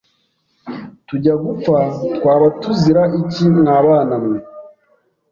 Tujya gupfa twaba tuzira iki mwabana mwe